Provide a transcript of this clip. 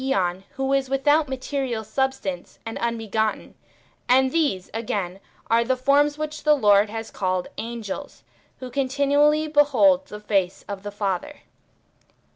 which ffive form to that ^on who is without material sub stance and unbegotten, and these, again, are the forms which the Lord has called angels, who continually behold the face of the Father.